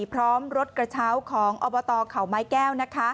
พร้อมรถกระเช้าของอบตเขาไม้แก้ว